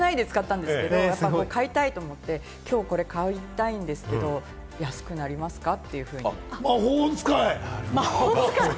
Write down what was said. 知らないで使ったんですけれども、買いたいと思って、きょうコレ買いたいんですけれども安くなりますか？というふうに魔法使い！